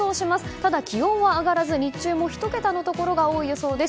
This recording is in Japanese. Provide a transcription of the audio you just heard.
ただ、気温は上がらず日中も１桁のところが多い予想です。